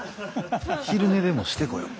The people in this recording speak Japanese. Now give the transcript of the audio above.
昼寝でもしてこよ。